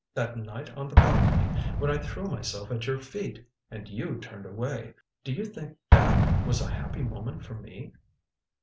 That night on the balcony, when I threw myself at your feet, and you turned away. Do you think that was a happy moment for me?"